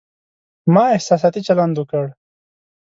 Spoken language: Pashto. ما احساساتي چلند وکړ